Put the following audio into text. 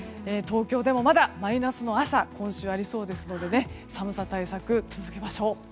東京でもまだマイナスの朝が今週ありそうですので寒さ対策、続けましょう。